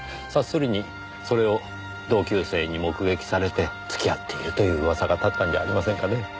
察するにそれを同級生に目撃されて付き合っているという噂が立ったんじゃありませんかね？